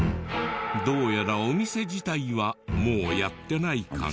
どうやらお店自体はもうやってない感じ。